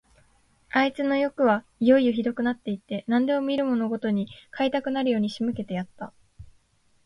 あいつのよくはいよいよひどくなって行って、何でも見るものごとに買いたくなるように仕向けてやった。